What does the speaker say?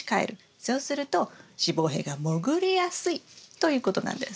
そうすると子房柄がもぐりやすいということなんです。